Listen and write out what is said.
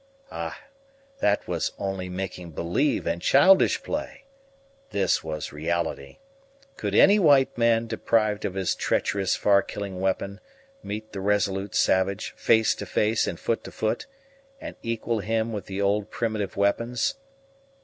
Ah, that was only making believe and childish play; this was reality. Could any white man, deprived of his treacherous, far killing weapon, meet the resolute savage, face to face and foot to foot, and equal him with the old primitive weapons?